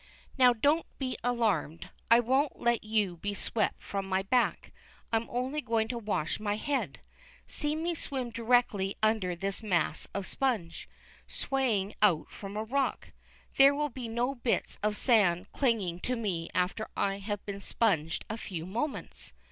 Now don't be alarmed. I won't let you be swept from my back. I am only going to wash my head. See me swim directly under this mass of sponge, swaying out from a rock. There will be no bits of sand clinging to me after I have been sponged a few moments.